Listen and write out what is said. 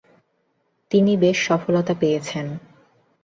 তিনি বেশ সফলতা পেয়েছেন।